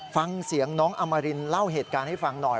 ฟังเสียงน้องอมรินเล่าเหตุการณ์ให้ฟังหน่อย